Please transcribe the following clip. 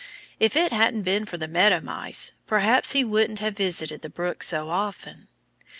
If it hadn't been for the meadow mice perhaps he wouldn't have visited the brook so often.